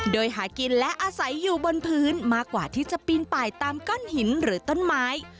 โดยหากินและอาศัยอยู่บนพื้นมากกว่าที่จะปีนป่ายตามก้อนหินหรือต้นไม้